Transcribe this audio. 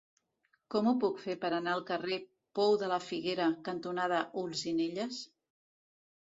Com ho puc fer per anar al carrer Pou de la Figuera cantonada Olzinelles?